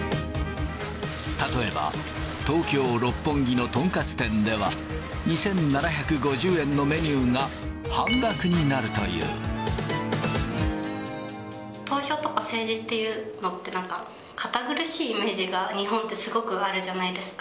例えば、東京・六本木のとんかつ店では、２７５０円のメニューが半額にな投票とか政治っていうのって、なんか堅苦しいイメージが、日本ってすごくあるじゃないですか。